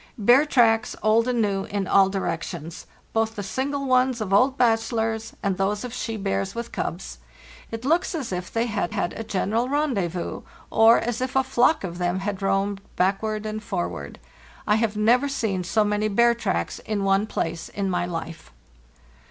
" Bear tracks, old and new, in all directions—both the single ones of old bachelors and those of she bears with 346 FARTHEST NORTH cubs. It looks as if they had had a general rendezvous, or as if a flock of them had roamed backward and for ward. I have never seen so many bear tracks in one place in my life.